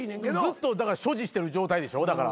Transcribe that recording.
ずっと所持してる状態でしょ？だから。